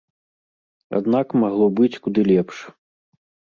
Аднак магло быць куды лепш.